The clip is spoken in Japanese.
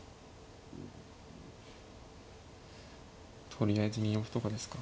とりあえず２四歩とかですか。